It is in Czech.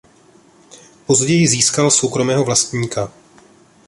Později získal soukromého vlastníka.